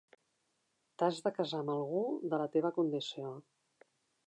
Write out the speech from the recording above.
T'has de casar amb algú de la teva condició.